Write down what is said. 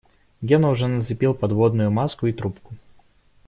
Гена уже нацепил подводную маску и трубку.